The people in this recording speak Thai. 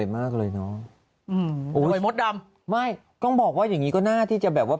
ไม่ต้องบอกว่าอย่างนี้ก็หน้าที่จะแบบว่า